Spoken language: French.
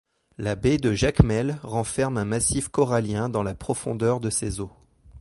La baie de Jacmel renferme un massif corallien dans la profondeur de ses eaux.